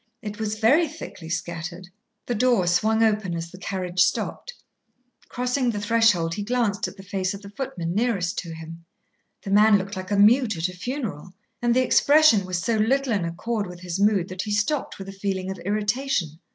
It was very thickly scattered. The door swung open as the carriage stopped. Crossing the threshold, he glanced at the face of the footman nearest to him. The man looked like a mute at a funeral, and the expression was so little in accord with his mood that he stopped with a feeling of irritation.